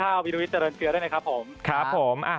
ค่าบีรุ้วิทจริงเตือนเคี้ยด้วยนะครับค่าผมอะเป็นยังไง